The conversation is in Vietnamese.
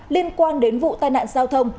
liên quan đến vụ tai nạn giao thông